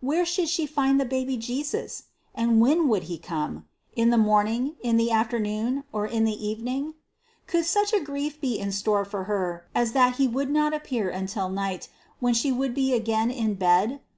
Where should she find the baby Jesus? And when would he come? In the morning, or the afternoon, or in the evening? Could such a grief be in store for her as that he would not appear until night, when she would be again in bed?